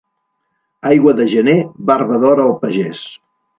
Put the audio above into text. Aigua de gener, barba d'or al pagès.